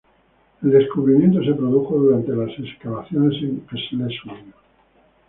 El descubrimiento se produjo durante las excavaciones en Schleswig.